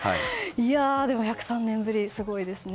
１０３年ぶり、すごいですね。